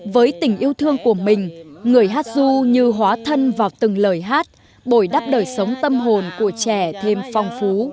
với tình yêu thương của mình người hát du như hóa thân vào từng lời hát bồi đắp đời sống tâm hồn của trẻ thêm phong phú